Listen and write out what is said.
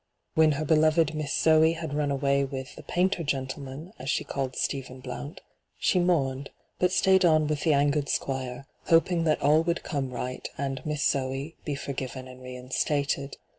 When her beloved Miss Zoe had run away with 'the painter gentleman/ as she called Stephen Blount, she mourned, but stayed on with the angered Squire, hoping that ' all would come right ' and ' Miss Zoe ' be forgiven and reinstated.